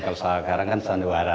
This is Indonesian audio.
kalau sekarang kan sandiwara